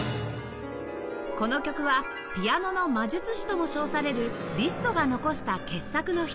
この曲はピアノの魔術師とも称されるリストが残した傑作の一つ